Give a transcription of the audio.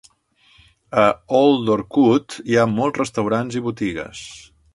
A Old Orcutt hi ha molts restaurants i botigues.